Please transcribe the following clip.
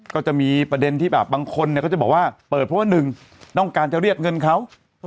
ก็จะมีประเด็นที่แบบบางคนก็จะบอกว่าเปิดเพราะว่าหนึ่งต้องการจะเรียกเงินเขา